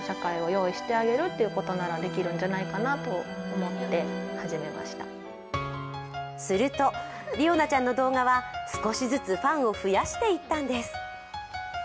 そこでお母さんはすると、りおなちゃんの動画は少しずつファンを増やしていったんです。